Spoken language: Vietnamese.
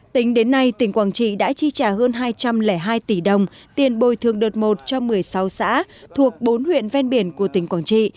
tính đến nay tỉnh quảng trị đã chi trả hơn hai trăm linh hai tỷ đồng tiền bồi thương đợt một cho một mươi sáu xã thuộc bốn huyện ven biển của tỉnh quảng trị